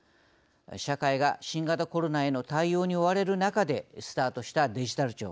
社会が新型コロナへの対応に追われる中でスタートしたデジタル庁。